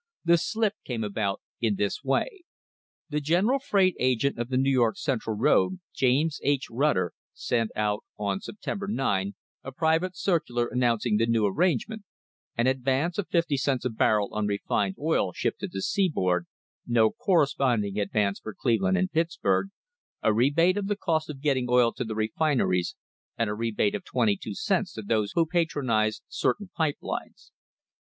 The slip came about in this way. The general freight agent of the New York Central road, James H. Rutter, sent out on September 9 a private circular announc ing the new arrangement,* an advance of fifty cents a barrel on refined oil shipped to the seaboard, no corresponding advance for Cleveland and Pittsburg, a rebate of the cost of getting oil to the refineries and a rebate of twenty two cents to those who patronised certain pipe lines.